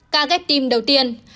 ca kép tim đầu tiên